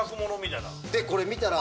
これ見たら。